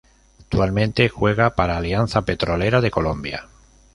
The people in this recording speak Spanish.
Actualmente juega para Alianza Petrolera de Colombia.